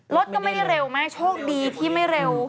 รถก็ไม่ได้เร็วมากโชคดีที่ไม่เร็ว